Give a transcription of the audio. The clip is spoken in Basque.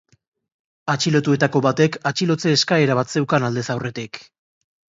Atxilotuetako batek atxilotze eskaera bat zeukan aldez aurretik.